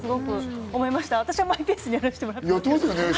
私はマイペースにやらしてもらってますけど。